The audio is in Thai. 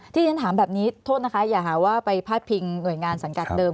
ที่ฉันถามแบบนี้โทษนะคะอย่าหาว่าไปพาดพิงหน่วยงานสังกัดเดิม